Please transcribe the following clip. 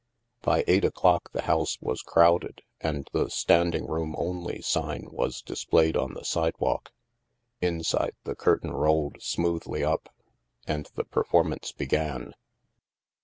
By eight o'clock the house was crowded, and the '* Standing Room Only " sign was displayed on the sidewalk ; inside, the curtain rolled smoothly up, and the performance began.